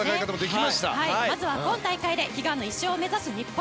まずは悲願の１勝を目指す日本。